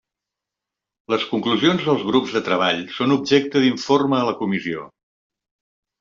Les conclusions dels grups de treball són objecte d'informe a la Comissió.